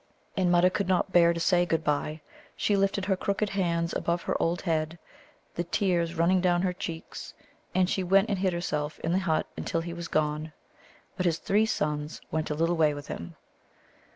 And Mutta could not bear to say good bye; she lifted her crooked hands above her old head, the tears running down her cheeks, and she went and hid herself in the hut till he was gone. But his three sons went a little way with him.